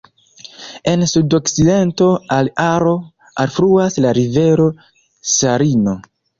En sudokcidento al Aro alfluas la rivero Sarino.